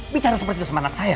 bicara seperti itu sama anak saya